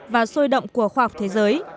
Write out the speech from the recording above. và sôi động của khoa học thế giới